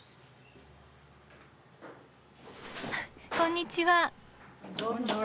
こんにちは。